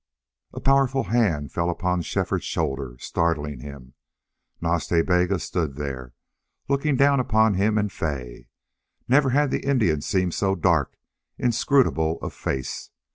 A powerful hand fell upon Shefford's shoulder, startling him. Nas Ta Bega stood there, looking down upon him and Fay. Never had the Indian seemed so dark, inscrutable of face.